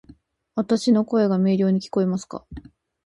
わたし（の声）が明瞭に聞こえますか？